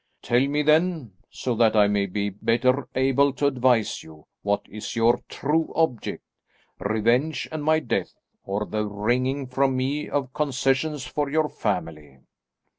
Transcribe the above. Tell me then, so that I may be the better able to advise you, what is your true object revenge and my death, or the wringing from me of concessions for your family?"